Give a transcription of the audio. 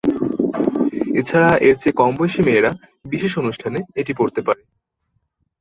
এছাড়া এর চেয়ে কম বয়সী মেয়েরা বিশেষ অনুষ্ঠানে এটি পরতে পারে।